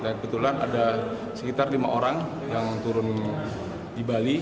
dan kebetulan ada sekitar lima orang yang turun di bali